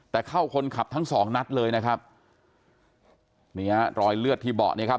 แต่เข้าคนขับทั้งสองนัดเลยนะครับนี่ฮะรอยเลือดที่เบาะเนี่ยครับ